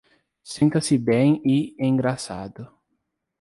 Sinta-se bem e engraçado